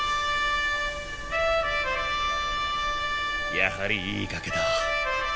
やはりいい崖だ。